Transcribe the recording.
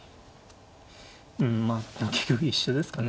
うんまあ結局一緒ですかね。